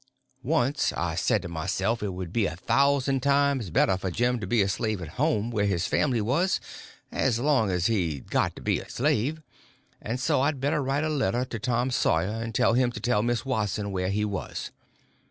Once I said to myself it would be a thousand times better for Jim to be a slave at home where his family was, as long as he'd got to be a slave, and so I'd better write a letter to Tom Sawyer and tell him to tell Miss Watson where he was.